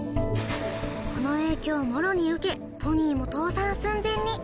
この影響をもろに受けポニーも倒産寸前に